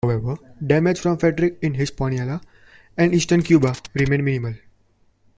However, damage from Frederic in Hispaniola and eastern Cuba remained minimal.